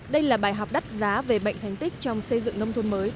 đây là bài học đắt giá về bệnh thành tích trong xây dựng nông thôn mới